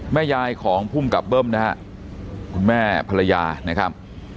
แม่ยายของภูมิกับเบิ้มนะฮะคุณแม่ภรรยานะครับ